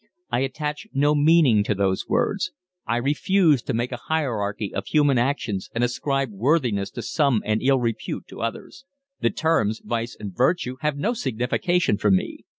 I attach no meaning to those words. I refuse to make a hierarchy of human actions and ascribe worthiness to some and ill repute to others. The terms vice and virtue have no signification for me.